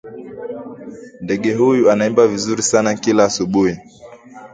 Ndege huyu anaimba vizuri sana kila asubuhi